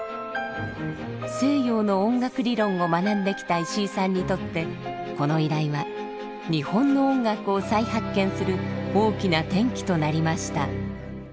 西洋の音楽理論を学んできた石井さんにとってこの依頼は日本の音楽を再発見する大きな転機となりました。